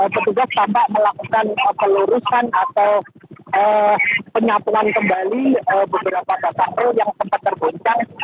petugas tampak melakukan pelurusan atau penyatuan kembali beberapa kata kata yang sempat terbuncang